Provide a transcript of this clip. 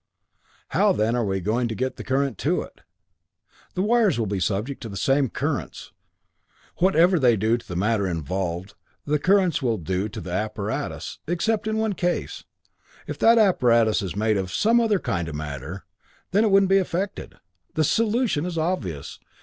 "How then are we going to get the current to it? The wires will be subject to the same currents. Whatever they do to the matter involved, the currents will do to the apparatus except in one case. If that apparatus is made of some other kind of matter, then it wouldn't be affected. The solution is obvious.